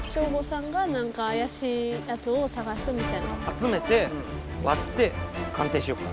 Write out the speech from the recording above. あつめてわって鑑定しようか。